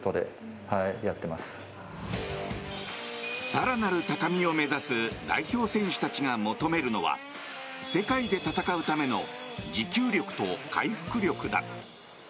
更なる高みを目指す代表選手たちが求めるのは世界で戦うための持久力と回復力だ。